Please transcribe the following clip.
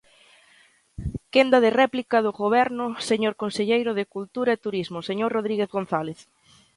Quenda de réplica do Goberno, señor conselleiro de Cultura e Turismo, señor Rodríguez González.